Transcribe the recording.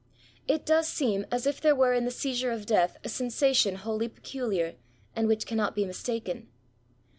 It does seem as if there were in the seizure of death a sensation wholly peculiar, and which cannot be mistaken.